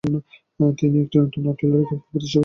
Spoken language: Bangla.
তিনি একটি নতুন আর্টিলারি কর্প প্রতিষ্ঠা করেছিলেন।